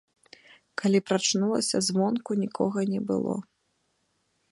Калі прачнулася, звонку нікога не было.